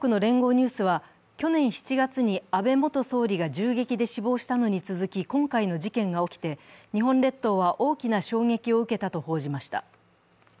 ニュースは去年７月に安倍元総理が銃撃で死亡したのに続き今回の事件が起きて、日本列島は大きな衝撃を受けたと報じました。